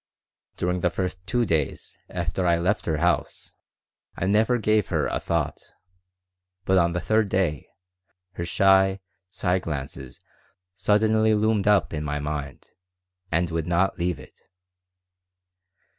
During the first two days after I left her house I never gave her a thought, but on the third her shy side glances suddenly loomed up in my mind and would not leave it.